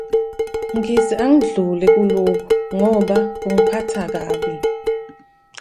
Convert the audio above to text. Ngithi angidlule kuloku ngoba kungiphatha kabi.